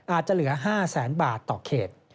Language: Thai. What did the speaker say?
อาจจะเหลือ๕แสนบาทต่อเขต